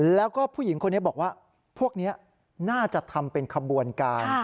แล้วก็ผู้หญิงคนนี้บอกว่าพวกนี้น่าจะทำเป็นขบวนการ